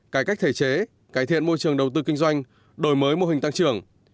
cải cách thể chế cải thiện môi trường đầu tư kinh doanh đổi mới mô hình tăng trưởng